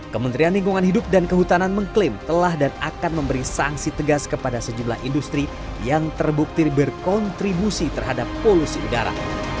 kementerian lingkungan hidup dan kehutanan mengklaim telah dan akan memberi sanksi tegas kepada sejumlah industri yang terbukti berkontribusi terhadap polusi udara